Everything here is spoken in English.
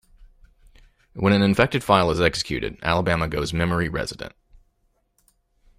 When an infected file is executed, Alabama goes memory resident.